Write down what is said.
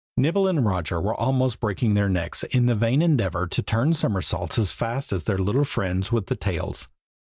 Nibble and Roger were almost breaking their necks in the vain endeavor to turn somersaults as fast as their little friends with the tails.